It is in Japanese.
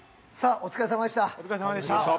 お疲れさまでした。